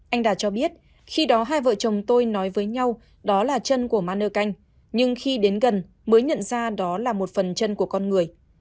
anh đạt cho biết khi đó hai vợ chồng tôi nói với nhau đó là chân của mano canh nhưng khi đến gần mới nhận ra đó là một phần chân của con người